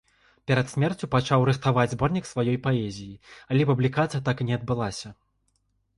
Перад смерцю пачаў рыхтаваць зборнік сваёй паэзіі, але публікацыя так і не адбылася.